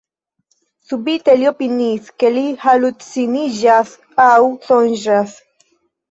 Subite li opiniis, ke li haluciniĝas aŭ sonĝas.